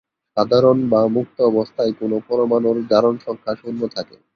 সাধারণ বা মুক্ত অবস্থায় কোনো পরমাণুর জারণ সংখ্যা শূন্য থাকে।